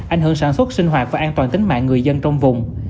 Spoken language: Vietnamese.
ảnh hưởng sản xuất sinh hoạt và an toàn tính mạng người dân trong vùng